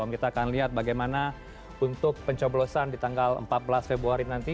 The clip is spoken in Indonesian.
dan kita akan lihat bagaimana untuk pencoblosan di tanggal empat belas februari nanti